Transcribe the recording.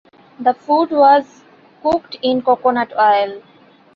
The food was cooked in coconut oil.